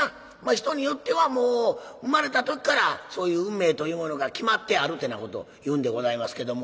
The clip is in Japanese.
人によってはもう生まれた時からそういう運命というものが決まってあるてなことを言うんでございますけども。